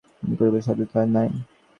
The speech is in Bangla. ইহা অতিক্রম করিবার সাধ্য তাহার নাই।